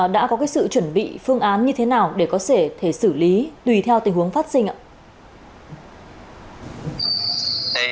đã có sự chuẩn bị phương án như thế nào để có thể xử lý tùy theo tình huống phát sinh ạ